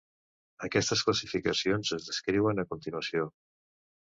Aquestes classificacions es descriuen a continuació.